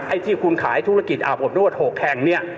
ไอ้ที่คุณขายธุรกิจอ่ะผมนึกว่า๖แข่งเนี่ย